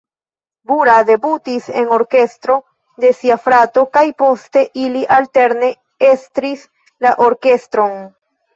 Bura debutis en orkestro de sia frato kaj poste ili alterne estris la orkestron.